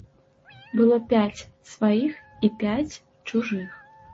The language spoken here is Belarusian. Было пяць сваіх і пяць чужых.